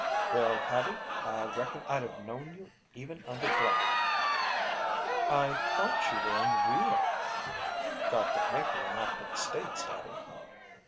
"Well, Hattie, I reckon I'd have known you even under black." "I thought you were in Rio." "Got to hankering after the States, Hattie."